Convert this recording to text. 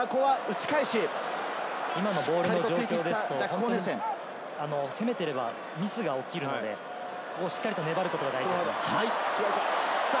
ボールの状況ですと、攻めていれば、ミスが起きるので、しっかり粘ることが大事です。